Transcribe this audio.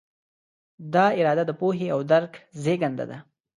دا اراده د پوهې او درک زېږنده ده.